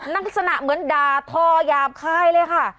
ลักษณะเหมือนด่าทอหยาบคายเลยค่ะ